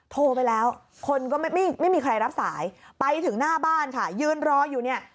โทรไปแล้วคนก็ไม่มีใครรับสายไปถึงหน้าบ้านค่ะยืนรออยู่เนี่ย